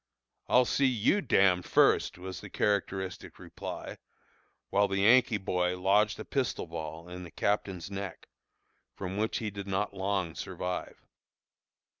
"I'll see you d d first," was the characteristic reply, while the Yankee boy lodged a pistol ball in the captain's neck, from which he did not long survive.